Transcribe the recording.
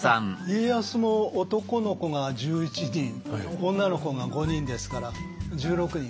家康も男の子が１１人女の子が５人ですから１６人。